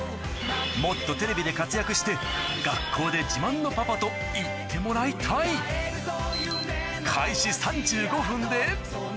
もっとテレビで活躍して学校で自慢のパパと言ってもらいたいに到達と